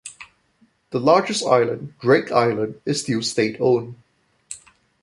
The largest island, Drake Island, is still state owned.